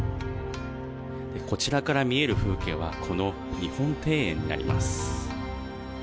こちらから見える風景はこの日本庭園になります。